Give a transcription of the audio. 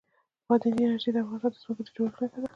بادي انرژي د افغانستان د ځمکې د جوړښت نښه ده.